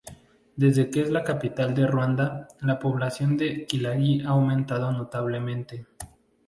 Desde que es la capital de Ruanda, la población de Kigali ha aumentado notablemente.